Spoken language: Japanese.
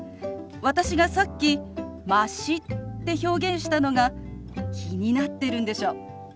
私がさっき「まし」って表現したのが気になってるんでしょ？